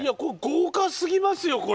豪華すぎますよこれ。